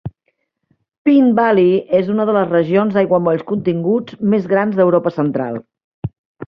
Peene Valley és una de les regions d'aiguamolls contigus més grans d'Europa central.